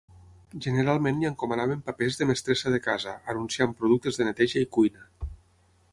Generalment li encomanaven papers de mestressa de casa, anunciant productes de neteja i cuina.